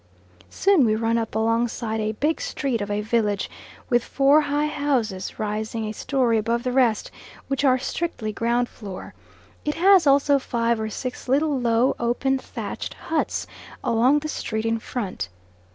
Soon we run up alongside a big street of a village with four high houses rising a story above the rest, which are strictly ground floor; it has also five or six little low open thatched huts along the street in front.